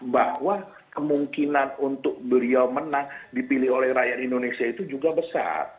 bahwa kemungkinan untuk beliau menang dipilih oleh rakyat indonesia itu juga besar